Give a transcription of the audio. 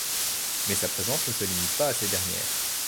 Mais sa présence ne se limite pas à ces dernières.